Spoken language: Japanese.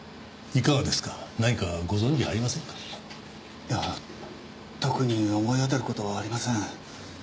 いや特に思い当たる事はありません。